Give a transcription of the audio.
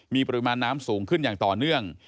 มีปริมาณน้ำสูงขึ้นอย่างต่อเนื่อง